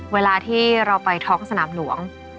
เวลาที่เราไปท้องสนามหลวง